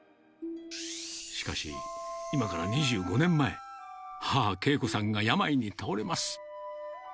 しかし、今から２５年前、母、啓子さんが病に倒れます。